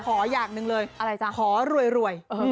ขออย่างหนึ่งเลยขอรวย